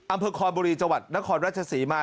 อำเภอคอนบุรีจังหวัดนครราชศรีมา